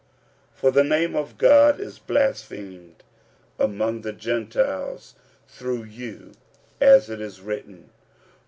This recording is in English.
45:002:024 For the name of God is blasphemed among the Gentiles through you, as it is written.